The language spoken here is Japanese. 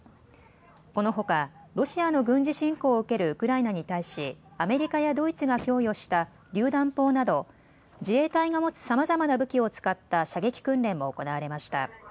このほかロシアの軍事侵攻を受けるウクライナに対しアメリカやドイツが供与したりゅう弾砲など自衛隊が持つさまざまな武器を使った射撃訓練も行われました。